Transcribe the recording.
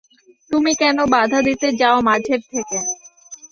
তুমি কেন বাধা দিতে যাও মাঝের থেকে।